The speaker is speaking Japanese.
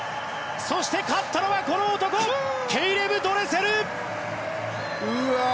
そして、勝ったのはこの男ケイレブ・ドレセル！